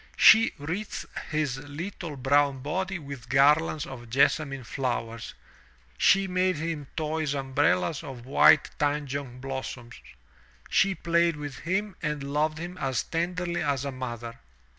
She wreathed his Uttle brown body with garlands of jessamine flowers; she made him toy umbrellas of white tanjong blossoms; she played with him and loved him as tenderly as a mother.